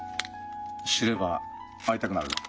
知れば会いたくなるぞ。